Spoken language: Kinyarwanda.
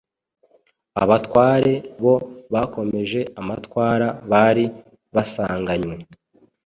Abatware bo bakomeje amatwara bari basanganywe